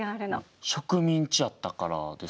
植民地やったからですか？